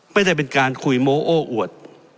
ไม่ได้เป็นการคุยโมโอ้อวด